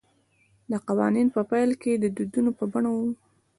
دا قوانین په پیل کې د دودونو په بڼه وو